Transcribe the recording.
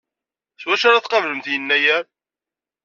S wacu ara tqablemt Yennayer?